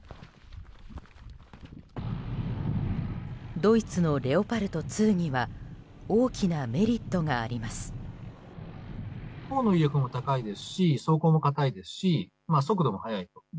ドイツのレオパルト２には大きなメリットがあります。